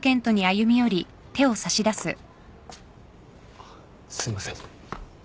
あっすいません。